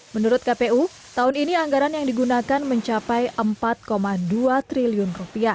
menurut kpu tahun ini anggaran yang digunakan mencapai rp empat dua triliun